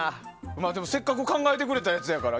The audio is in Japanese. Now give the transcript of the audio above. でもせっかく考えてくれたやつやから。